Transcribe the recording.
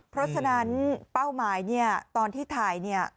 เพราะฉะนั้นเป้าหมายเนี่ยตอนที่ถ่ายเนี่ย